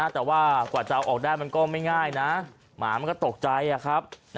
แต่ว่ากว่าจะเอาออกได้มันก็ไม่ง่ายนะหมามันก็ตกใจครับ